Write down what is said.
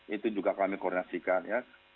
itu juga kami koordinasikan ya